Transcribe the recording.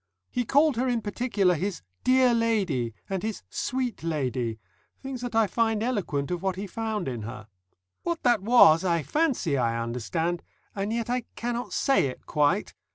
He called her in particular his "Dear Lady" and his "Sweet Lady," things that I find eloquent of what he found in her. What that was I fancy I understand, and yet I cannot say it quite.